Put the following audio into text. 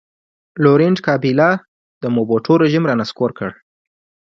لورینټ کابیلا د موبوټو رژیم را نسکور کړ.